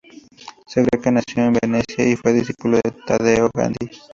Se cree que nació en Venecia y fue discípulo de Taddeo Gaddi.